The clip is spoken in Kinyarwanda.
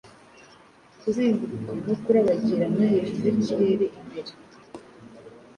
Kuzenguruka no kurabagirana hejuru yikirere imbere